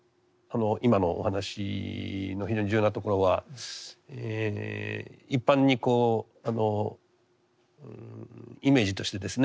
今のお話の非常に重要なところは一般にこうイメージとしてですね